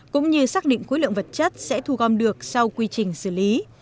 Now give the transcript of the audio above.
cũng như xác định khối lượng vật chất sẽ thu gom được sau quy trình xử lý